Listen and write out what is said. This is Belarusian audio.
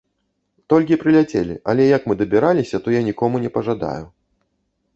Толькі прыляцелі, але як мы дабіраліся, то я нікому не пажадаю.